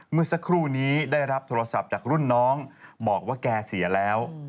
เมื่อสักครู่นี้ได้รับโทรศัพท์จากรุ่นน้องบอกว่าแกเสียแล้ว